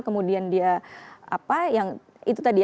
kemudian dia apa yang itu tadi